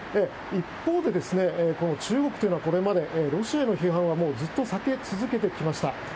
一方で、中国というのはこれまで、ロシアへの批判はずっと避け続けてきました。